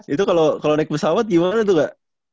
itu kalau naik pesawat gimana tuh gak